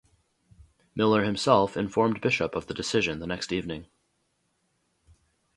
Miller himself informed Bishop of the decision the next evening.